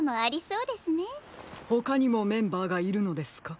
ほかにもメンバーがいるのですか？